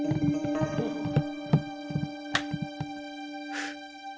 フッ！